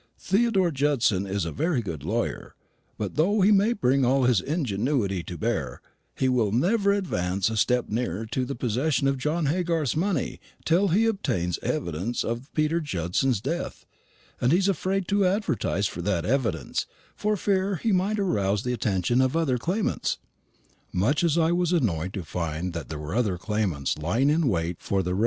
Theodore Judson is a very good lawyer; but though he may bring all his ingenuity to bear, he will never advance a step nearer to the possession of John Haygarth's money till he obtains evidence of Peter Judson's death; and he's afraid to advertise for that evidence for fear he might arouse the attention of other claimants." Much as I was annoyed to find that there were claimants lying in wait for the rev.